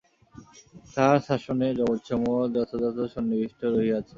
তাঁহার শাসনে জগৎসমূহ যথাযথ সন্নিবিষ্ট রহিয়াছে।